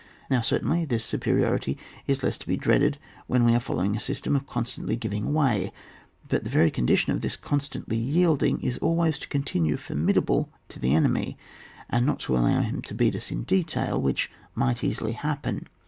Now certainly this superiority is less to be dreaded when we are following a system of constantly giving way ; but the very condition of this constantly yielding, is always to continue formidable to the enemy and not to allow him to beat us in detail, which might easily happen.